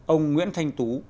ông nguyễn thanh tú